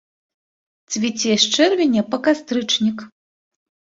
Цвіце з чэрвеня па кастрычнік.